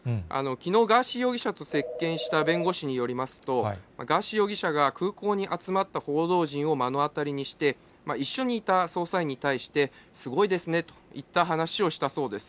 きのう、ガーシー容疑者と接見した弁護士によりますと、ガーシー容疑者が空港に集まった報道陣を目の当たりにして、一緒にいた捜査員に対して、すごいですねといった話をしたそうです。